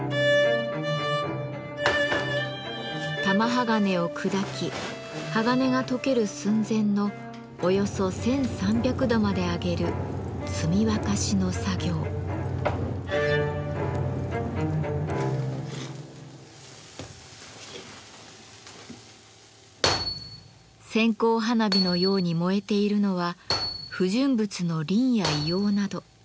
玉鋼を砕き鋼が溶ける寸前のおよそ１，３００度まで上げる線香花火のように燃えているのは不純物のリンや硫黄など。